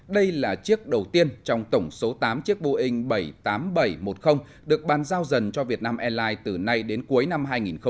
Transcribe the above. đây là chiếc đầu tiên trong tổng số tám chiếc boeing bảy trăm tám mươi bảy một mươi được ban giao dần cho vn a từ nay đến cuối năm hai nghìn hai mươi